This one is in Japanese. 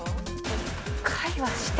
１回はして！